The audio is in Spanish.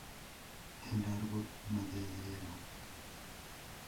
Es árbol maderero.